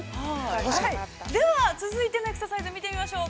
では、続いてのエクササイズ見てみましょう。